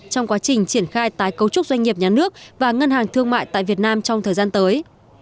trong quá trình triển khai tái cấu trúc doanh nghiệp nhà nước và ngân hàng thương mại tại việt nam trong thời gian tới